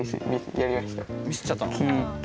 ミスっちゃったの？